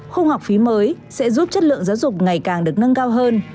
khung học phí mới sẽ giúp chất lượng giáo dục ngày càng được nâng cao hơn